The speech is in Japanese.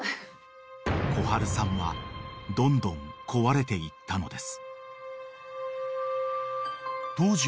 ［こはるさんはどんどん壊れていったのです］